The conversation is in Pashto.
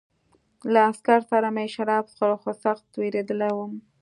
له عسکر سره مې شراب څښل خو سخت وېرېدلی وم